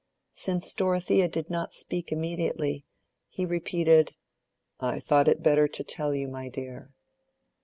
Since Dorothea did not speak immediately, he repeated, "I thought it better to tell you, my dear."